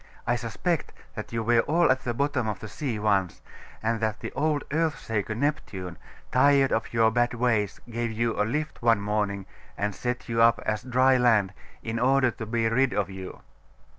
I suspect that you were all at the bottom of the sea once, and that the old Earth shaker Neptune, tired of your bad ways, gave you a lift one morning, and set you up as dry land, in order to be rid of you.